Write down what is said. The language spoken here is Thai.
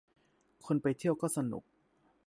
คนไปเที่ยวก็สนุก